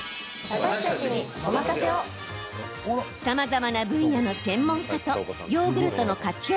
さまざまな分野の専門家とヨーグルトの活用